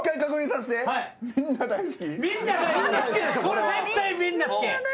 これ絶対みんな好き。